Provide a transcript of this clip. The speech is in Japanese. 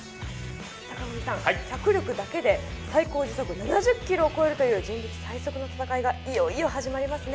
坂上さん、脚力だけで最高時速７０キロを超える人力最速の戦いがいよいよ始まりますね。